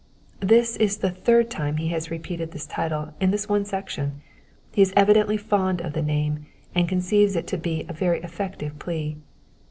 '''' This is the third time he has repeated this title in this one section : he is evidently fond of the name, and conceives it to be a very effective plea.